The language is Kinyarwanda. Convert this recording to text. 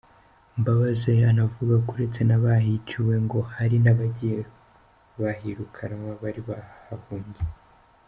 Mbabazi anavuga ko uretse n’abahiciwe, ngo hari n’abagiye bahirukanwa bari bahahungiye.